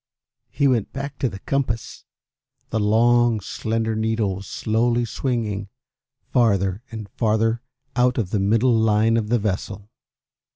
He went back to the compass. The long, slender needle was slowly swinging farther and farther out of the middle line of the vessel.